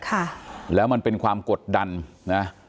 ค่ะแล้วมันเป็นความกดดันนะ